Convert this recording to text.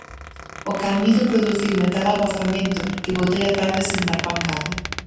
O calmizo produciume tal abafamento, que botei a tarde sen dar pancada.